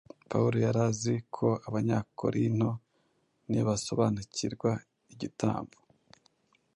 Pawulo yari azi ko Abanyakorinto nibasobanukirwa igitambo